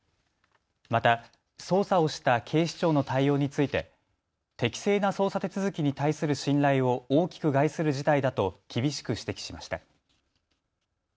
また捜査をした警視庁の対応について適正な捜査手続きに対する信頼を大きく害する事態だと厳しく指摘しました。